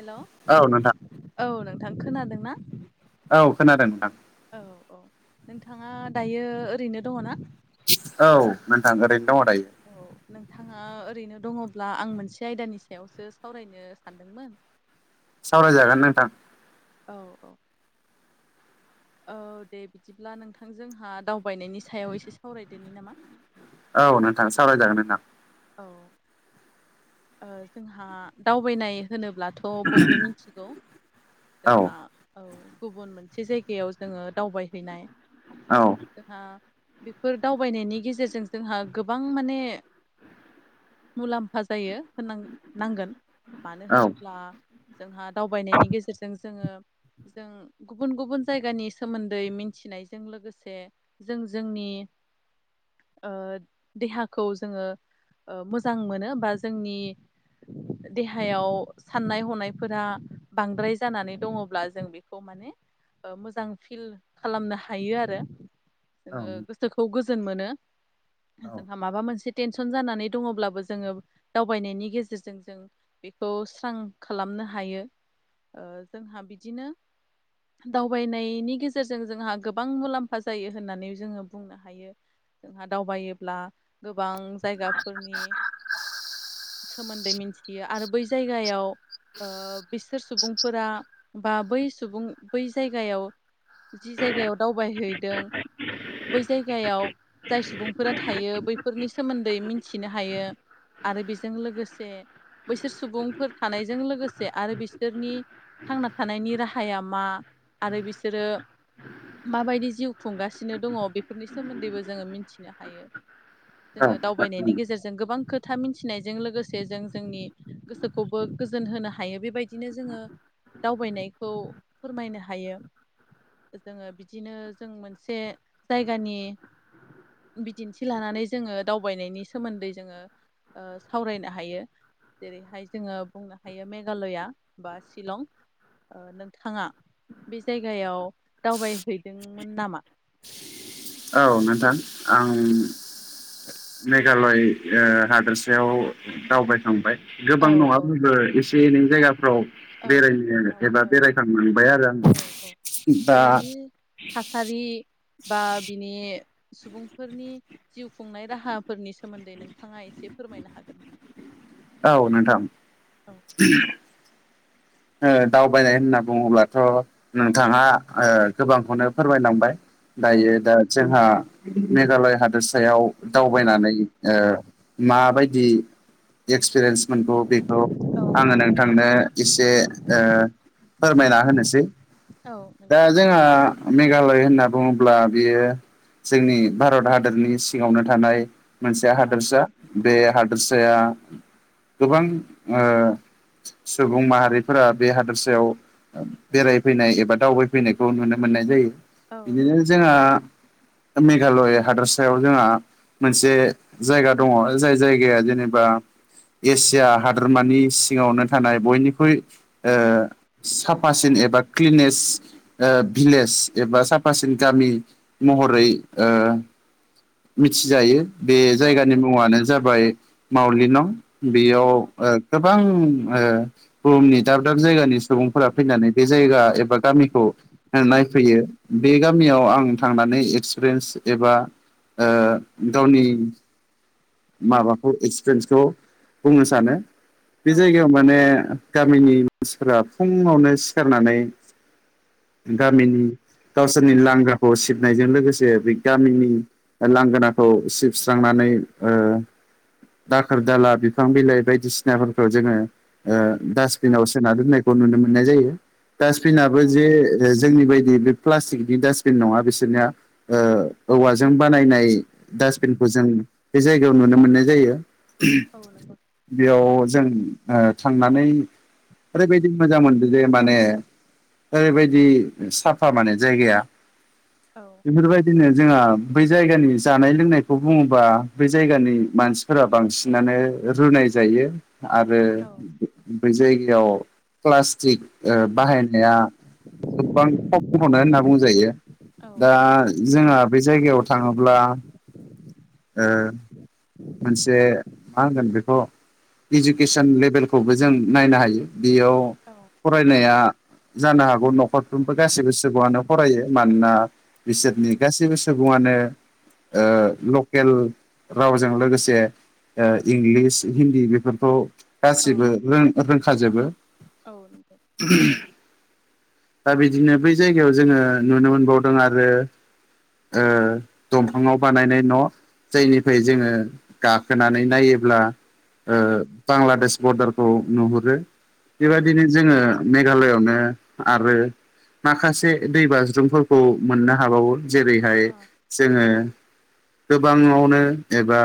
Hello औ नोंथां औ नोंथां खोनादों ना? औ खोनादों नोंथां। औ नोंथाङा दायो ओरैनो दङ ना? औ नोंथां ओरैनो दङ दायो औ नोंथाङा ओरैनो दङ ब्ला आं मोनसे आयदानि सायावसो सावरायनो सानदोंमोन सावरायजागोन नोंथां। औ औ औ दे बिदिब्ला नोंथां जोंहा दावबायनायनि सायाव एसे सावरायदोनि नामा। औ नोंथां सावरायजागोन नोंथां औ ओ जोंहा दावबायनाय होनोब्ला थ' बयबो मिनथिगौ औ जोंहा औ गुबुन मोनसे जायगायाव जोङो दावबायहैनाय औ जोंहा बेफोर दावबायनायनि गेजेरजों जोंहा गोबां माने मुलाम फा जायो होन नांगोन मानो औ होनोब्ला जोंहा दावबायनायनि गेजेरजों जोङो जों गुबुन गुबुन जायगानि सोमोनदै मिनथिनायजों लोगोसे जों जोंनि [inaudible] ओ देहाखौ जोङो ओ मोजां मोनो बा जोंनि [inaudible] देहायाव साननाय हनायफोरा बांद्राय जानानै दङब्ला जों बेखौ माने मोजां फिल खालामनो हायो आरो जोङो गोसोखौ गोजोन मोनो जोंहा औ माबा मोनसे टेनसन जानानै दङब्लाबो जोङो दावबायनायनि गेजेरजों जों बेखौ स्रां खालामनो हायो ओ जोंहा बिदिनो दावबायनायनि गेजेरजों जोंहा गोबां मुलाम्फा जायो होननानै जोङो बुंनो हायो जोंहा दावबायोब्ला गोबां जायगाफोरनि सोमोनदै मिथियो आरो बै जायगायाव ओ बिसोर सुबुंफोरा बा बै सुबुं बै जायगायाव जि जायगायाव दावबायहैदों बै जायगायाव जाय सुबुंफोरा थायो बैफोरनि सोमोनदै मिनथिनो हायो आरो बेजों लोगोसे बैसोर सुबुंफोर थानायजों लोगोसे आरो बिसोरनि थांना थानायनि राहाया मा आरो बिसोरो माबायदि जिउ खुंगासिनो दङ बेफोरनि सोमोनदैबो जोङो मिनथिनो हायो जोङो नायनि औ गेजेरजों गोबां खोथा मिनथिनायजों लोगोसे जों जोंनि गोसोखौबो गोजोनहोनो हायो हायो बेबायदिनो जोङो दावबायनायखौ फोरमायनो हायो जोङो बिदिनो जों मोनसे जायगानि बिदिन्थि लानानै जोङो दाव बायनायनि सोमोनदै जोङो सावरायनो हायो जेरैहाय जोङो बुंनो हायो मेघालया बा शिलं नोंथाङा बे जायगायाव दावबायहैदोंमोन नामा औ नोंथां आं मेघालय ओ हादोरसायाव दावबायखांबाय औ गोबां औ नङाबाबो एसे एनै जायगा फ्राव औ बेरायनो औ एबा बेरायखांलांबाय आरो आङो औ औ दा बेनि थासारि बा बिनि सुबुंफोरनि जिउ खुंनाय राहाफोरनि सोमोनदै नोंथाङा एसे एसे फोरमायनो हागोन नामा औ नोंथां औ [unintelligible] ओ दावबायनाय होनना बुङोब्लाथ' नोंथाङा ओ गोबांखौनो फोरमायलांबाय दायो औ दा जोंहा मेघालय हादोरसायाव दावबायनानै ओ माबायदि एक्स पिरियेन्स मोनगौ बेखौ औ आङो नोंथांनो एसे ओ फोरमायना होनोसै औ दा नंगौ जोंहा मेघालय होनना बुङोब्ला बेयो जोंनि भारत हादरनि सिङावनो थानाय मोनसे औ हादोरसा बे हादोरसाया गोबां ओ सुबुं माहारि फोरा बे हादोरसायाव बेरायफैनाय एबा दावबायफैनायखौ नुनो मोननाय जायो औ बिदिनो जोंहा मेघालय हादोरसायाव जोंहा मोनसे जायगा दङ जाय जायगाया जेनेबा बा एसिया हादोरमानि सिङावनो थानाय बयनिख्रुइ औ साफासिन एबा क्लिनेस भिलेज एबा साफासिन गामि महरै मिथिजायो। बे जायगानि औ औ मुङानो जाबाय मावलि नं बेयाव ओ गोबां ओ बुहुमनि दाब दाब जायगानि सुबुंफोरा फैनानै बे जायगा एबा गामिखौ नाय फैयो बे गामियाव आं थांनानै एक्सपिरियेन्स एबा ओ गावनि माबाखौ एक्सपिरियेन्सखौ बुंनो सानो बे औ जायगायाव माने गामिनि मानसिफोरा फुङावनो सिखारनानै औ गामिनि गावसोरनि लांगाखौ सिब नायजों लोगोसे बे गामिनि लांगोनाखौ सिबस्रांनानै ओ दाखोर दाला बिफां बिलाइ बायदिसिनाफोरखौ जोङो औ डास्टबिनाव सोना दोननायखौ नुनो मोननाय जायो। डास्टबिनाबो औ जे औ जोंनि बायदि बे प्लास्टिकनि डास्टबिन नङा बिसोरना ओ औवाजों बानायनाय डासबिनखौ जों बे जायगायाव नुनो मोननाय जायो औ नंगौ बेयाव जों ओ थांनानै ओरैबायदि मोजां मोनदों जे माने ओरैबायदि साफा माने जायगाया औ बेफोरबायदिनो जोंहा बै जायगानि जानाय लोंनायखौ बुङोबा बे जायगानि मानसिफोरा बांसिनानो रुनाय जायो आरो औ बै जायगायाव प्लास्टिक ओ बाहायनाया गोबां खमखौनो होनना बुंजायो। औ दा औ जोंहा बे जायगायाव थाङोब्ला ओ मोनसे मा होनगोन बेखौ इजुकेसन लेभेलखौबो जों नायनो हायो। बेयाव औ फरायनाया जानो हागौ न'खरफ्रोमबो गासैबो सुबुआनो फरायो मानोना बिसोरनि गासैबो सुबुङानो ओ लकेल रावजों जों लोगोसे इंलिस हिन्दी बेफोरखौ गासिबो औ रों रोंखाजोबो औ नंगौ दा बिदिनो बै जायगायाव जोङो नुनो मोनबावदों आरो ओ दंफाङाव बानायनाय न' जायनिफ्राय जोङो गाखोनानै नायोब्ला ओ औ बांलादेश बरडारखौ नुहुरो औ बेबायदिनो जोङो मेघालयआवनो आरो माखासे दै बाज्रुमफोरखौ मोननो हाबावो जेरैहाय औ जोङो गोबाङावनो एबा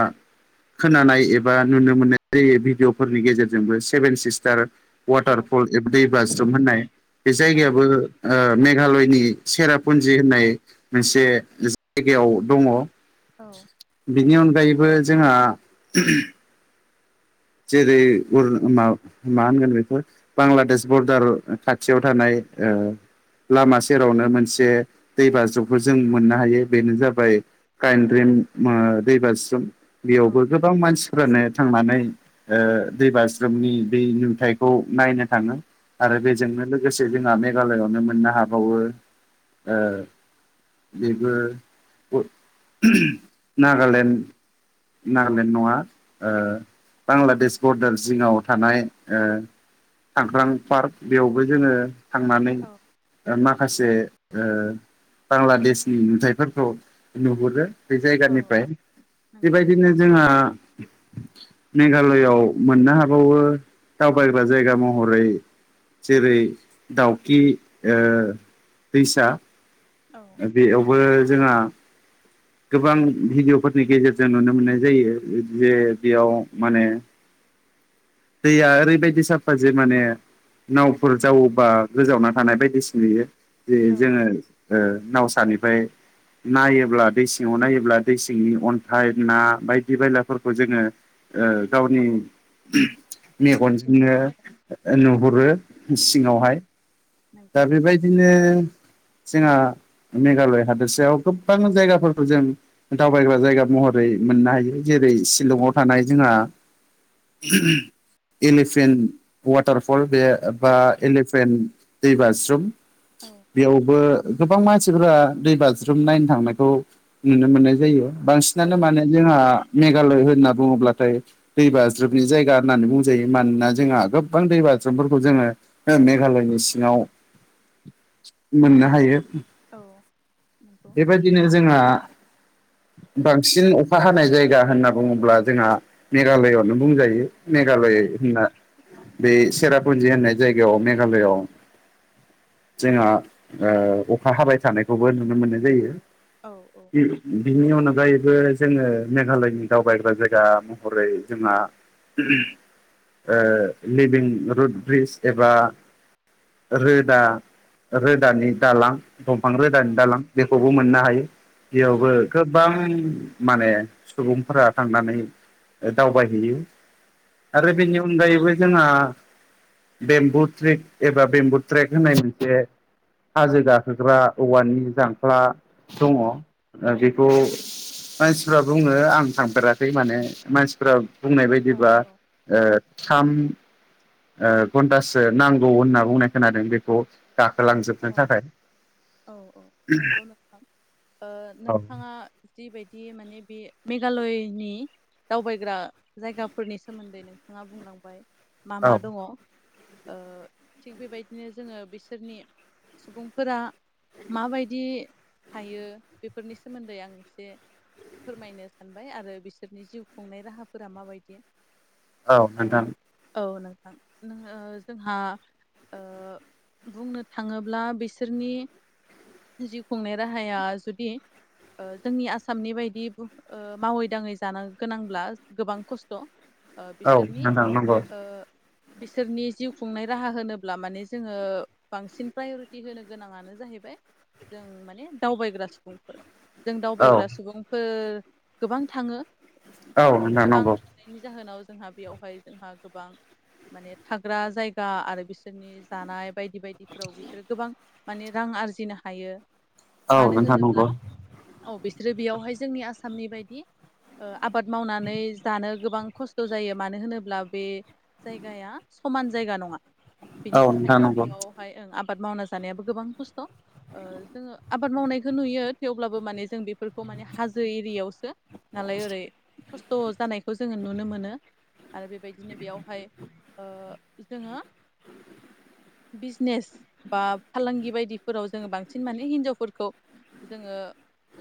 खोनानाय एबा नुनो मोननाय जायो भिडिअफोरनि गेजेरजोंबो सेभेन सिस्टार औ वाटारफल एब दै बाज्रुम होननाय बे जायगायाबो ओ मेघालयनि सेरापुन्जि होननाय मोनसे जायगायाव दङ। औ। बिनि अनगायैबो जोंहा जेरै उर मा होनगोन बेफोर बांलादेश बरदार खाथियाव थानाय ओ लामा सेरावनो मोनसे दै बाज्रुमखौ जों मोननो हायो। बेनो जाबाय कायेनद्रिम दै बास्रोम बेयावबो गोबां मानसिफ्रानो थांनानै दै बास्रोमनि दै नुथायखौ नायनो थाङो। आरो बेजोंनो लोगोसे जोंहा मेघालयआवनो मोननो हाबावो बेबो नागालेण्ड नागालेण्ड नङा बांलादेश बरदार जिङाव थानाय ओ हांग्रां पार्क बेयावबो जोङो थांनानै औ ओ माखासे माखासे ओ बांलादेशनि नुथायफोरखौ नुहुरो बे औ जायगानिफ्राय औ नंगौ बेबायदिनो जोंहा मेघालआव मोननो हाबावो दावबायग्रा जायगा महरै जेरै दाउखि ओ दैसा औ बेयावबो जोंहा गोबां भिडिअ'फोरनि गेजेरजों नुनो मोननाय जायो जे बेयाव माने दैया ओरैबायदि साफा जे माने नावफोर जावोबा गोजावना थानाय बायदिसिना नुयो। जे औ जोङो ओ नावसानिफ्राय नायोब्ला दै सिङाव नायोब्ला दै सिंनि अन्थाइ ना बायदि बायलाफोरखौ जोङो ओ गावनि मेगनजों मेगनजोंनो नुयो आरो नुहुरो औ सिङावहाय नंगौ दा बेबायदिनो जोंहा मेघालय हादोरसायाव गोबां जायगाफोरखौ जों दावबायग्रा जायगा महरै मोननो हायो जेरै जेरै शिलंआव थानाय जोंहा एलिफेन वाटारफल बे बा एलिफेन्ट दै बासरुम औ बेयावबो गोबां मानसिफोरा दै बाज्रुम नायनो थांनायखौ नुनो मोननाय जायो। बांसिनानो औ माने जोंहा मेघालय होनना बुङोब्लाथाय दै बाज्रबनि जायगा होननानै बुंजायो मानोना जोंहा गोबां दै बाज फोरखौ जोङो मेघालयनि सिङाव मोननो हायो। औ नंगौ बेबायदिनो जोंहा बांसिन अखा हानाय जायगा होनना बुङोब्ला जोंहा मेघालयआवनो बुंजायो मेघालय औ होनना बे सेरापुन्जि होननाय जायगायाव मेघालआव जोंहा अखा हाबाय थानायखौबो नुनो मोननाय जायो। औ औ औ बिनि अनगायै जोङो मेघालयनि दावबायग्रा जायगा महरै जोंहा लिभिं रुड ब्रिज एबा रोदा रोदानि दालां दंफां औ रोदानि दालां बेखौबो मोननो हायो। बेयावबो गोबां माने सुबुंफोरा थांनानै दावबायहैयो। आरो बेनि अनगायैबो जोंहा बेम्बु ट्रिक एबा बेम्बु ट्रेक होननाय मोनसे हाजो गाखोग्रा औवानि जांख्ला दङ ओ बेखौ मानसिफ्रा बुङो आं थांफेराखै माने मानसिफ्रा बुंनाय बायदिबा औ थाम घन्टासो नांगौ होनना बुंनाय खोनादों बेखौ औ थांजोबनो थाखाय औ औ नंगौ नोंथां ओ औ नोंथाङा जिबायदि बिदि माने बे मेघालयनि दावबायग्रा जायगाफोरनि सोमोन्दै नोंथाङा बुंलांबाय मा औ मा दङ ओ थिग बेबायदिनो जोङो बिसोरनि सुबुंफोरा माबायदि थायो बेफोरनि सोमोन्दै आं एसे फोरमायनो सानबाय आरो बिसोरनि जिउ खुंनाय राहाफोरा माबायदि औ आ नोंथां औ नंगौ। नोङो जोंहा बुंनो थाङोब्ला बिसोरनि जिउ खुंनाय राहाया जुदि ओ जोंनि आसामनि बायदि ओ मावै दाङै जानो गोनांब्ला गोबां खस्थ'। औ बिसोरनि नोंथां नंगौ बिसोरनि जिउ खुंनाय राहा होनोब्ला माने जोङो बांसिन प्रायरिटि होनो गोनाङानो जाहैबाय जों माने दावबायग्रा सुबुंफोर जों औ दावबायग्रा सुबुंफोर गोबां थाङो औ नोंथां गोबां नंगौ [unintelligible] जाहोनाव जोंहा बेयावहाय जोंहा गोबां माने थाग्रा जायगा आरो बिसोरनि जानाय बायदि बायदि बिसोरो गोबां माने रां आरजिनो हायो औ मानो नोंथां होनोब्ला नंगौ औ बिसोरो बेयावहाय जोंनि आसामनि बायदि आबाद मावनानै जानो गोबां खस्थ' जायो मानो होनोब्ला बे जायगाया समान जायगा नङा बेनि औ नोंथां थाखायनो नंगौ बेयाव आबाद मावना जानायाबो गोबां खस्थ' जोङो आबाद मावनायखौ नुयो थेवब्लाबो माने जों बेफोर माने हाजो एरियावसो नालाय ओरै खस्थ' जानायखौ जोङो नुनो मोनो आरो बेबायदिनो बेयावहाय जोङो बिजनेस बा फालांगि बायदिफोराव जोंङो बांसिन माने हिनजावफोरखौ जोङो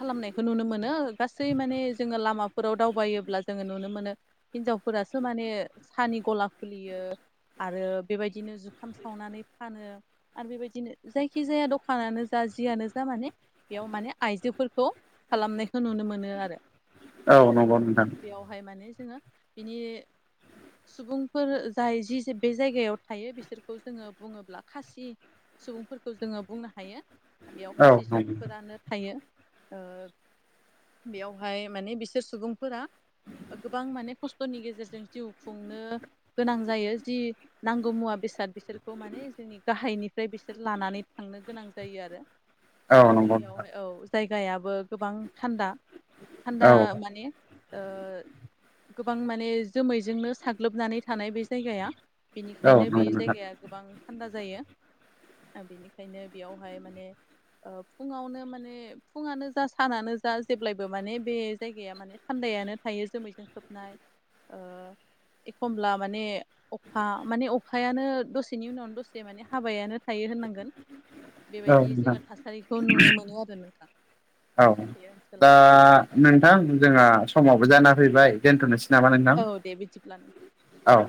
खालामनायखौ नुनो मोनो गासै माने जोङो लामाफोराव दावबायोब्ला जोङो नुनो मोनो हिनजाव फोरासो माने सानि गला खुलियो आरो बेबायदिनो जुखाम सावनानै फानो आरो बेबायदिनो जायखिजाया दखानानो जा जियानो जा माने बेयाव माने आइजो फोरखौ खालामनायखौ नुनो मोनो आरो औ नंगौ नोंथां बेयावहाय माने जोङो बिनि सुबुंफोर जाय जि बे जायगायाव थायो बिसोरखौ जोङो बुङोब्ला खासि सुबुंफोरखौ जोङो बुंनो हायो बेयाव औ कासि नंगौ सुबुंफोरानो थायो बेयावहाय माने बिसोर सुबुंफोरा गोबां माने खस्थ'नि गेजेरजों जिउ खुंनो गोनां जायो जि नांगौ मुवा बे बेसाद बिसोरखौ माने जोंनि गाहायनिफ्राय बिसोर लानानै थांनो गोनां जायो आरो औ नंगौ नोंथां बेयावहाय औ जायगायाबो गोबां थान्दा थान्दा औ माने गोबां माने जोमैजोंनो साग्लोबनानै थानाय बे जायगाया औ बेनिखायनो नंगौ बे नोंथां जायगाया गोबां थान्दा जायो बेनिखायनो बेयावहाय माने फुङावनो माने फुङानो जा सानानो जा जेब्लायबो माने बे जायगाया माने थान्द जायानो थायो जोमैजों खोबनाय एखमब्ला माने अखा माने अखायानो दसे बिनि उनाव दसे माने हाबायानो थायो होननांगोन औ बेबायदि नोंथां जोङो थासारिखौ नुनो मोनो आरो नोंथां औ बे दा ओनसोलाव नोंथां जोंहा समावबो जाना फैबाय दोनथ'नोसै नामा नोंथां औ दे बिदिब्ला नों औ